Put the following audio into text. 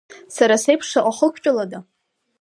Сара сеиԥш шаҟаҩ хықәтәалада.